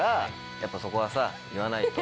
やっぱそこはさ言わないと。